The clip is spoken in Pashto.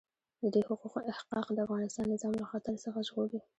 د دې حقوقو احقاق د افغانستان نظام له خطر څخه ژغوري.